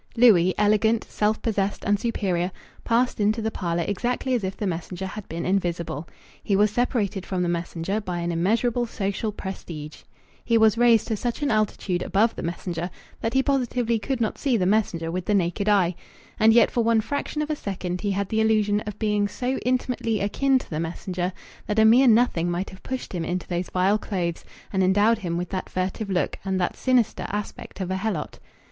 Louis, elegant, self possessed, and superior, passed into the parlour exactly as if the messenger had been invisible. He was separated from the messenger by an immeasurable social prestige. He was raised to such an altitude above the messenger that he positively could not see the messenger with the naked eye. And yet for one fraction of a second he had the illusion of being so intimately akin to the messenger that a mere nothing might have pushed him into those vile clothes and endowed him with that furtive look and that sinister aspect of a helot.